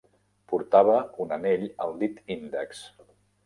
Portava un anell al dit índex.